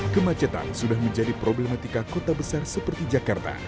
kemacetan sudah menjadi problematika kota besar seperti jakarta